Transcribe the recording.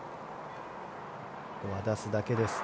ここは出すだけです。